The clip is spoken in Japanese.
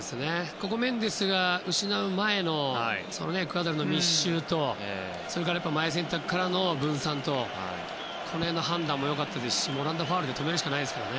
メンデスが失う前のエクアドルの密集と前選択からの分散とこの辺の判断も良かったしオランダはファウルで止めるしかないですから。